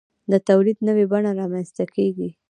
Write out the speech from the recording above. د تولید نوې بڼه رامنځته کیږي.